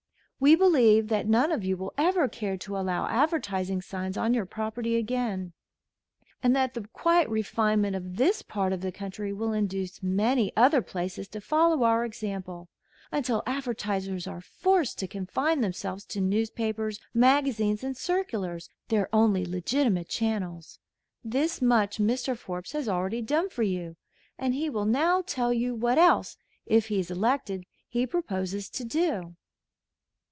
We believe that none of you will ever care to allow advertising signs on your property again, and that the quiet refinement of this part of the country will induce many other places to follow our example, until advertisers are forced to confine themselves to newspapers, magazines and circulars, their only legitimate channels. This much Mr. Forbes has already done for you, and he will now tell you what else, if he is elected, he proposes to do."